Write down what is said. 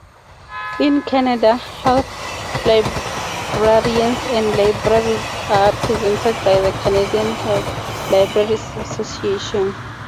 In Canada, health librarians and libraries are represented by the Canadian Health Libraries Association.